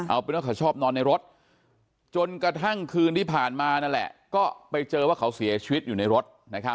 เอาเป็นว่าเขาชอบนอนในรถจนกระทั่งคืนที่ผ่านมานั่นแหละก็ไปเจอว่าเขาเสียชีวิตอยู่ในรถ